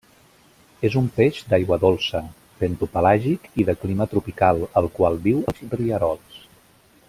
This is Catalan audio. És un peix d'aigua dolça, bentopelàgic i de clima tropical, el qual viu als rierols.